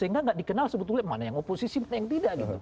sehingga tidak dikenal sebetulnya mana yang oposisi mana yang tidak gitu